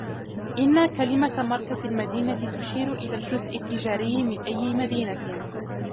إن كلمة مركز المدينة تشير إلى الجزء التجاري من أي مدينة.